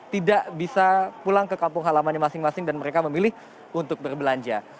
tidak bisa pulang ke kampung halamannya masing masing dan mereka memilih untuk berbelanja